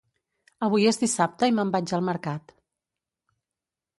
Avui és dissabte i me'n vaig al mercat